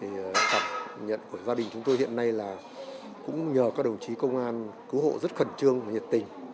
thì cảm nhận của gia đình chúng tôi hiện nay là cũng nhờ các đồng chí công an cứu hộ rất khẩn trương và nhiệt tình